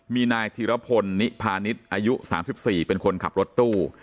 มีนายธีรพลนิพาณิชย์อายุ๓๔เป็นคนขับรถตู้